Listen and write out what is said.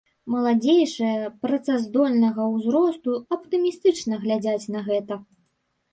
Маладзейшыя, працаздольнага ўзросту, аптымістычна глядзяць на гэта.